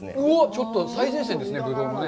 ちょっと最前線ですね、ぶどうの。